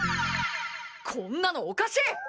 こんなのおかしい。